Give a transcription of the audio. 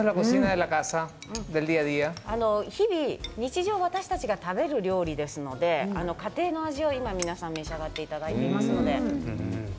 日々、日常私たちが食べる料理ですので家庭の味を皆さんは召し上がっていただいています。